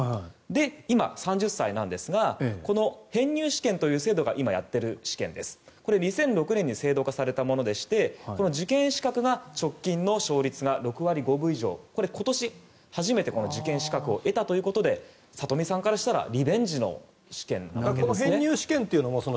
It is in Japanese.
今、３０歳なんですが編入試験という制度が今やっている試験で２００６年に制度化されたもので受験資格が、直近の勝率が６割５分以上、今年初めて受験資格を得たということで里見さんからしたらリベンジの試験ということです。